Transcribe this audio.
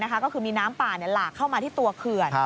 ก็คือมีน้ำป่าหลากเข้ามาที่ตัวเขื่อน